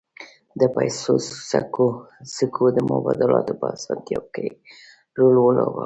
د پیسو سکو د مبادلاتو په اسانتیا کې رول ولوباوه